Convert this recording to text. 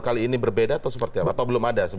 kali ini berbeda atau seperti apa atau belum ada